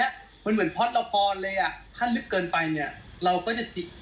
และที่สำคัญอยากจะบอก